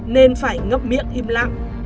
nên phải ngấp miệng im lặng